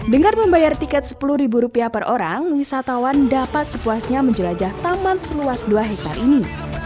dengan membayar tiket sepuluh ribu rupiah per orang wisatawan dapat sepuasnya menjelajah taman seluas dua hektare ini